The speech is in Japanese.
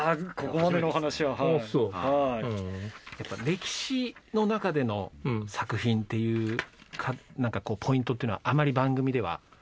歴史の中での作品っていうポイントっていうのはあまり番組では。